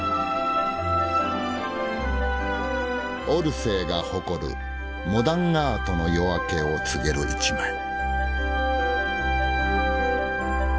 オルセーが誇るモダンアートの夜明けを告げる一枚。